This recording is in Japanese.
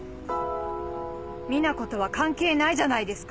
みな子とは関係ないじゃないですか。